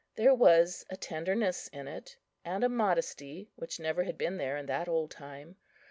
There was a tenderness in it and a modesty which never had been there in that old time.